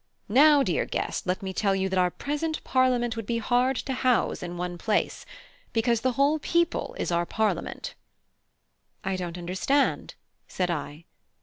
Now, dear guest, let me tell you that our present parliament would be hard to house in one place, because the whole people is our parliament." "I don't understand," said I.